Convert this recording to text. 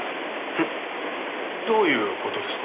えっ？どういう事ですか？